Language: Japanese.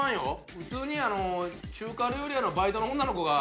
普通に中華料理屋のバイトの女の子が。